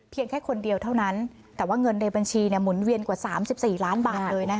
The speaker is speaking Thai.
แค่คนเดียวเท่านั้นแต่ว่าเงินในบัญชีหมุนเวียนกว่า๓๔ล้านบาทเลยนะคะ